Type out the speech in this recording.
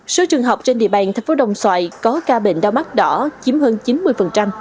số trường học trên địa bàn thành phố đồng xoài có ca bệnh đau mắt đỏ chiếm hơn chín mươi